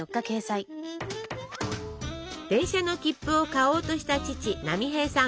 電車の切符を買おうとした父波平さん。